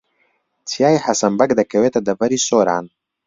چیای حەسەن بەگ دەکەوێتە دەڤەری سۆران.